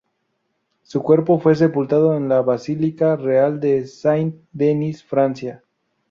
Su cuerpo fue sepultado en la Basílica Real de Saint Denis, Francia.